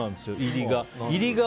入りが。